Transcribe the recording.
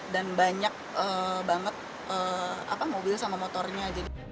dan banyak banget mobil sama motornya